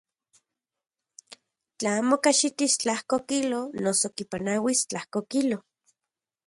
Tla amo kajxitis tlajko kilo noso kipanauis tlajko kilo.